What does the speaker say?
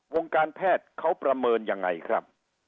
การแพทย์เขาประเมินยังไงครับ